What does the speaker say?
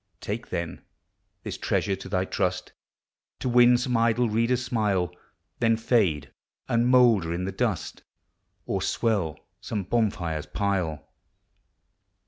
Take, then, this treasure to thy trust, To win some idle reader's smile, Then fade and moulder in the dust, Or swell some bonfire's pile.